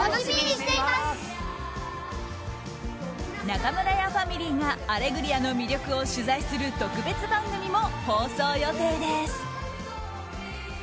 中村屋ファミリーが「アレグリア」の魅力を取材する特別番組も放送予定です。